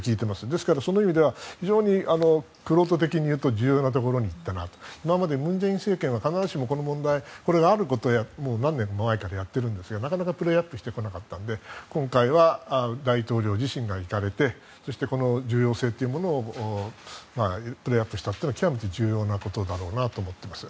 ですからその意味では非常に玄人的に言うと重要なところに行ったなと今まで文在寅政権は何年も前からやってるんですがなかなかプレアップしてこなかったので今回は大統領自身が行かれて重要性というものをプレアップしたというのが極めて重要なことだと思っています。